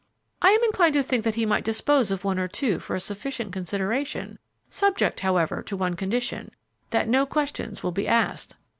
"I am inclined to think that he might dispose of one or two for a sufficient consideration, subject, however, to one condition, that no questions will be asked."